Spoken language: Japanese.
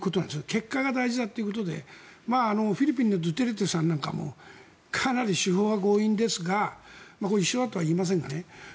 結果が大事だということでフィリピンのドゥテルテさんとかもかなり手法は強引ですが一緒だとは言いませんがね。